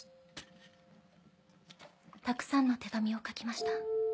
たくさんの手紙を書きました。